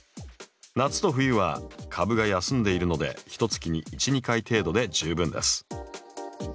夏と冬は株が休んでいるのでひとつきに１２回程度で十分です。